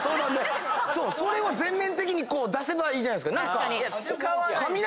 それを全面的に出せばいいじゃないですか。